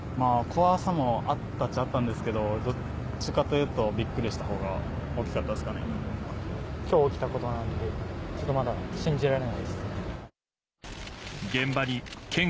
怖さもあったっちゃ、あったんですけれども、どっちかというと、びっくりしたほうが大きかっきょう起きたことなので、まだ信じられないです。